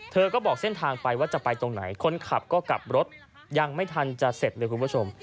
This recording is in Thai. เธอก็บอกเส้นทางไปว่าจะไปตรงไหนคนขับก็กลับรถยังไม่ทันจะเสร็จเลยคุณผู้ชม